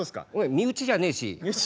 身内じゃねえし。